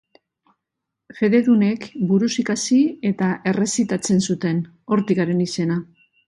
Fededunek buruz ikasi eta errezitatzen zuten: hortik haren izena.